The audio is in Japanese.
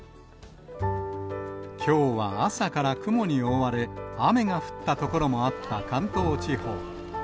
きょうは朝から雲に覆われ、雨が降った所もあった関東地方。